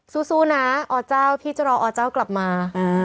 สู้นะอเจ้าพี่จะรออเจ้ากลับมา